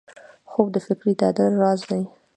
خوب د فکري تعادل راز دی